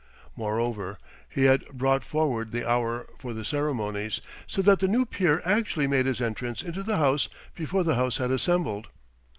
Moreover, he had brought forward the hour for the ceremonies; so that the new peer actually made his entrance into the House before the House had assembled.